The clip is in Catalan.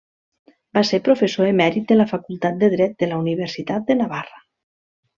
Va ser Professor emèrit de la Facultat de Dret de la Universitat de Navarra.